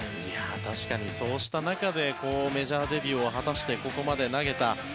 確かにそうした中でメジャーデビューを果たしてここまで投げた。